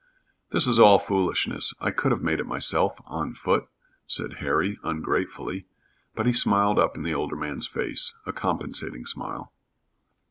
"This is all foolishness. I could have made it myself on foot," said Harry, ungratefully, but he smiled up in the older man's face a compensating smile.